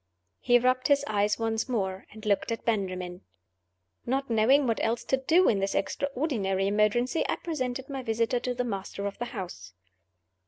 He rubbed his eyes once more! and looked at Benjamin. Not knowing what else to do in this extraordinary emergency, I presented my visitor to the master of the house.